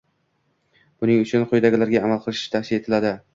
Buning uchun quyidagilarga amal qilish tavsiya etiladi.